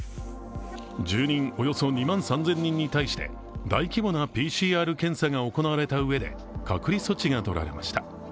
住人およそ２万３０００人に対して大規模なＰＣＲ検査が行われたうえで隔離措置が取られました。